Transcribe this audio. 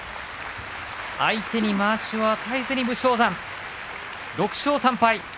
相手にまわしを与えずに６勝３敗。